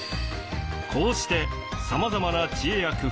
こうしてさまざまな知恵や工夫が重なり